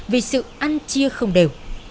vì sự ăn chia không đều